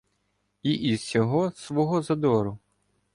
І із сього свого задору